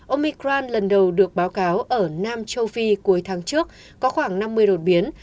omicran lần đầu được báo cáo ở nam châu phi cuối tháng trước có khoảng năm mươi đột biến